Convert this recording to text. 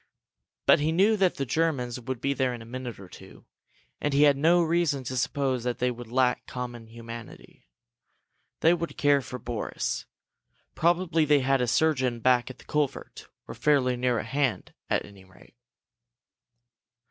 But he knew that the Germans would be there in a minute or two, and he had no reason to suppose that they would lack common humanity. They would care for Boris. Probably they had a surgeon back at the culvert, or fairly near at hand, at any rate.